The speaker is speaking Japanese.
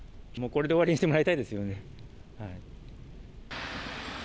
もうこれで終わりにしてもらいたいですよね。